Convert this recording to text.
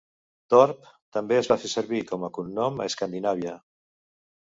"Torp" també es va fer servir com a cognom a Escandinàvia.